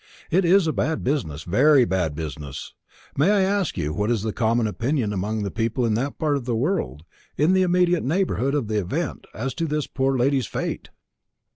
"It is a bad business, a very bad business. May I ask you what is the common opinion among people in that part of the world in the immediate neighbourhood of the event, as to this poor lady's fate?"